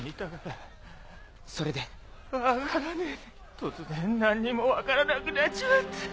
突然何にも分からなくなっちまって。